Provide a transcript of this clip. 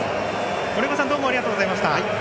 森岡さんどうもありがとうございました。